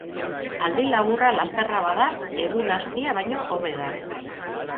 Aldi laburra lasterra bada, egun astia baino hobe da.